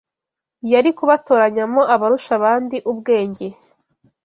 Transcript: yari kubatoranyamo abarusha abandi ubwenge